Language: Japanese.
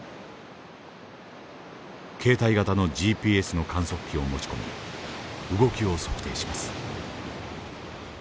携帯型のＧＰＳの観測器を持ち込み動きを測定します。